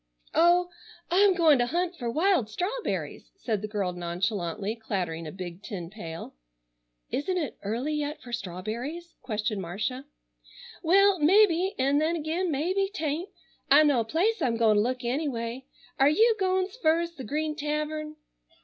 "Oh, I'm goin' to hunt fer wild strawberries," said the girl nonchalantly clattering a big tin pail. "Isn't it early yet for strawberries?" questioned Marcia. "Well, mebbe, an' then ag'in mebbe 'tain't. I know a place I'm goin' to look anyway. Are you goin' 's fur 's the Green Tavern?"